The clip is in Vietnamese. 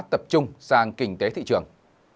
tập trung sang kinh tế thị trường